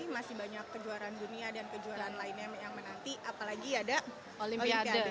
masih banyak kejuaraan dunia dan kejuaraan lainnya yang menanti apalagi ada olimpiade